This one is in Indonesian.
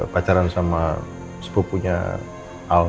pacaran sama sepupunya